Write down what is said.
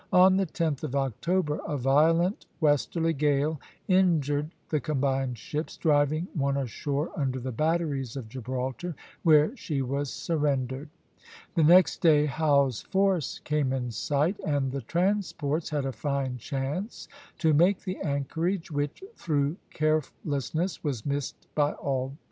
On the 10th of October a violent westerly gale injured the combined ships, driving one ashore under the batteries of Gibraltar, where she was surrendered. The next day Howe's force came in sight, and the transports had a fine chance to make the anchorage, which, through carelessness, was missed by all but four.